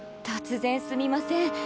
突然すみません。